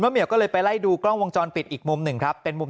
เหี่ยวก็เลยไปไล่ดูกล้องวงจรปิดอีกมุมหนึ่งครับเป็นมุม